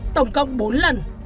tổng cộng bốn lần